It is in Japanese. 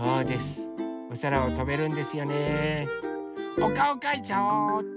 おかおかいちゃおうっと！